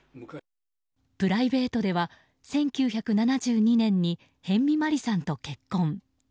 プライベートでは１９７２年に辺見マリさんと結婚。